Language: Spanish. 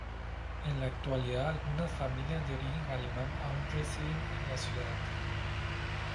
En la actualidad algunas familias de origen alemán aún residen en la ciudad.